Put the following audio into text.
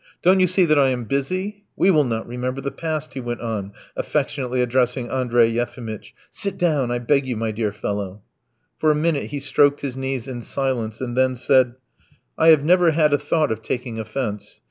"Don't you see that I am busy? We will not remember the past," he went on, affectionately addressing Andrey Yefimitch; "sit down, I beg you, my dear fellow." For a minute he stroked his knees in silence, and then said: "I have never had a thought of taking offence.